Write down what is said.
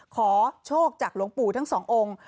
ขอโชคจากหลวงปู่ทั้งสององค์